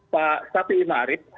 pak syafiee ma'arif